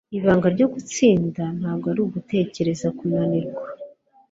Ibanga ryo gutsinda ntabwo ari ugutekereza kunanirwa.